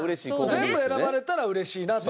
全部選ばれたら嬉しいなと。